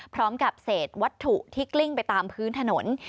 พร้อมกับเศษวัตถุที่กลิ้งไปตามพื้นถนน